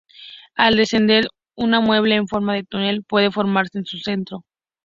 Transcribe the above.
Al descender, una nube en forma de túnel puede formarse en su centro.